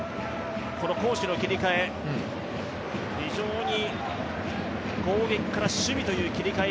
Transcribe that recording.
攻守の切り替え、非常に攻撃から守備という切り替え。